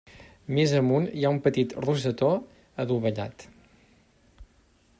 Més amunt hi ha un petit rosetó adovellat.